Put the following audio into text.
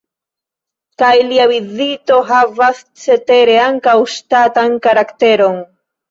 Kaj lia vizito havas cetere ankaŭ ŝtatan karakteron.